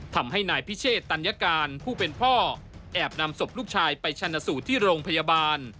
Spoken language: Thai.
ทำให้นายพิเชษตัญญาการผู้เป็นพ่อแอบนำศพลูกชายไปชนะสูตรที่โรงพยาบาล